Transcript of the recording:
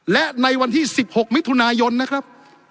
และในวันที่๑๖มิถุนายนนะครับ